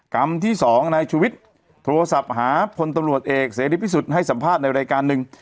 กรรมที่๒นายชุวิตโทรศัพท์หาพลตำรวจเอกเสรีพิสุทธิ์ให้สัมภาษณ์ในรายการหนึ่ง